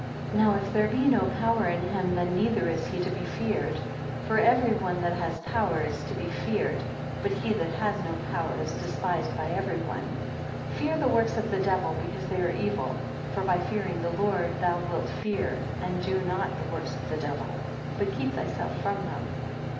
3 Now if there be no power in him, then neither is he to be feared: for every one that has power, is to be feared. But he that has no power is despised by every one. 4 Fear the works of the Devil, because they are evil. For by fearing the Lord, thou wilt fear and do not the works of the Devil, but keep thyself from them.